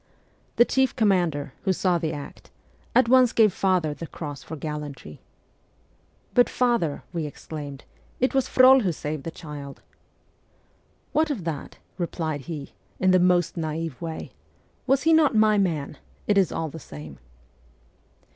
The chief com mander, who saw the act, at once gave father the cross for gallantry. ' But, father,' we exclaimed, ' it was Frol who saved the child !'' What of that ?' replied he, in the most na'ive way. ' Was he not my man ? It is all the same.'